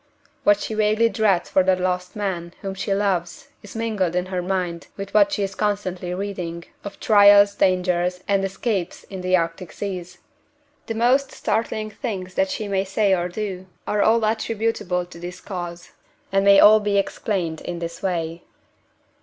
"What she vaguely dreads for the lost man whom she loves is mingled in her mind with what she is constantly reading, of trials, dangers, and escapes in the Arctic seas. The most startling things that she may say or do are all attributable to this cause, and may all be explained in this way."